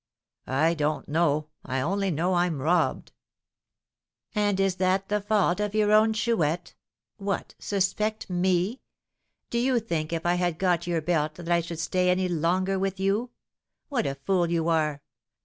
"I don't know. I only know I'm robbed." "And is that the fault of your own Chouette? What! suspect me? Do you think if I had got your belt that I should stay any longer with you. What a fool you are!